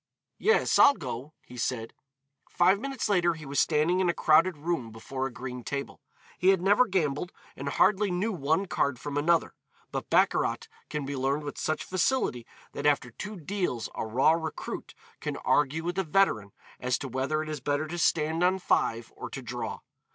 "Yes, I'll go," he said. Five minutes later he was standing in a crowded room before a green table. He had never gambled, and hardly knew one card from another, but baccarat can be learned with such facility that after two deals a raw recruit can argue with a veteran as to whether it is better to stand on five or to draw.